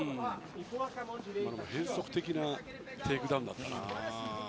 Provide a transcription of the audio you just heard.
今のも変則的なテイクダウンだったな。